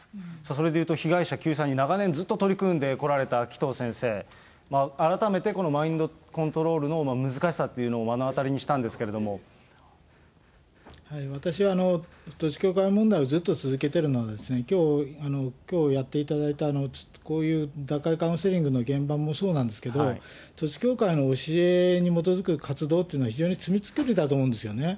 それで言うと、被害者救済に長年、ずっと取り組んでこられた紀藤先生、改めてこのマインドコントロールの難しさというのを目の当たりに私は統一教会問題をずっと続けているのは、きょうやっていただいたこういう脱会カウンセリングの現場もそうなんですけど、統一教会の教えに基づく活動というのは、非常に罪作りだと思うんですよね。